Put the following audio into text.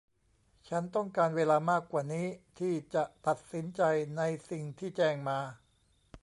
ฉันต้องการเวลามากกว่านี้ที่จะตัดสินใจในสิ่งที่แจ้งมา